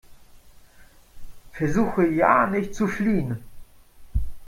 Versuche ja nicht zu fliehen!